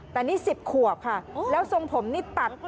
แต่นี่๑๐ขวบค่ะแล้วทรงผมนี่ตัด